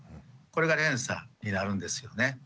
これが連鎖になるんですよね。